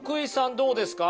どうですか？